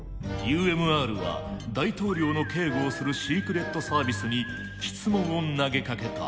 ＵＭＲは大統領の警護をするシークレットサービスに質問を投げかけた。